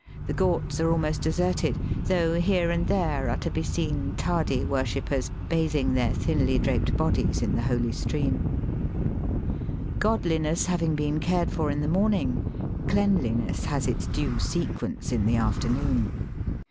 The ghats are almost deserted, though here and there are to be seen tardy worshippers bathing their thinly draped bodies in the holy stream* Godliness having been cared for in the morning, cleanhness has its due sequence in the afternoon.